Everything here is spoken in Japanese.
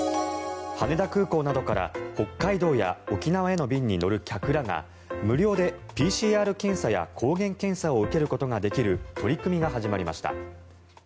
羽田空港などから北海道や沖縄への便に乗る客らが無料でＰＣＲ検査や抗原検査を受けることができる取り組みが始まりました。